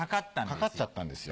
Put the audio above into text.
かかっちゃったんですよ